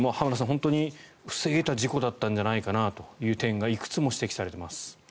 本当に防げた事故だったんじゃないかなという点がいくつも指摘されています。